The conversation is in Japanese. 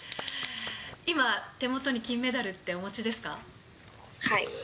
今、手元に金メダルってお持はい。